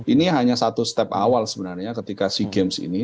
ini hanya satu step awal sebenarnya ketika sea games ini